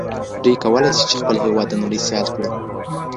دوی کولای سي چي خپل هېواد د نړۍ سیال کړي.